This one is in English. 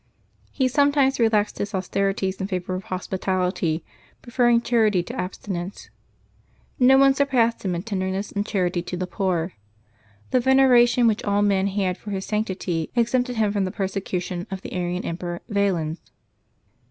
He some times relaxed his austerities in favor of hospitality, pre ferring charity to abstinence. No one surpassed him in tenderness and charity to the poor. The veneration which all men had for his sanctity exempted him from the per secution of the Arian Emperor Yalens.